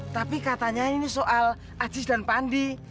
tapi katanya ini soal aziz dan pandi